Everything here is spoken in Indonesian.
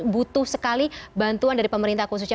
butuh sekali bantuan dari pemerintah khususnya